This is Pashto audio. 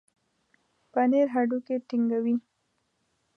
پنېر هډوکي ټينګوي.